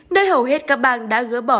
nơi hầu hết các bang đã gỡ bỏ